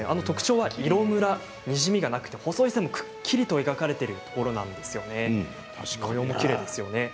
特徴は色ムラやにじみがなくて細い線もくっきりと描かれているところなんです。